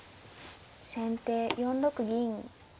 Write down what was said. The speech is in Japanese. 先手４六銀。